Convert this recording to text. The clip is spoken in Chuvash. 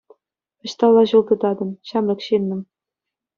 Ӑҫталла ҫул тытатӑн, ҫамрӑк ҫыннӑм?